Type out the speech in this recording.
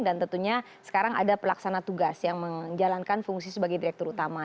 dan tentunya sekarang ada pelaksana tugas yang menjalankan fungsi sebagai direktur utama